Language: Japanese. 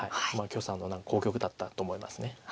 許さんの好局だったと思います。